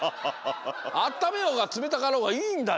あっためようがつめたかろうがいいんだよ！